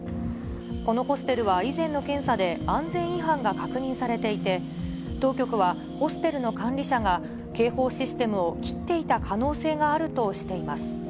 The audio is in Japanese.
このホステルは以前の検査で、安全違反が確認されていて、当局は、ホステルの管理者が警報システムを切っていた可能性があるとしています。